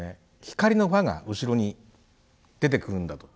光の輪が後ろに出てくるんだと。